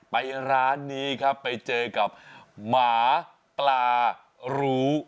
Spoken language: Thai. ไปร้านนี้ครับไปเจอกับหมาปลารู้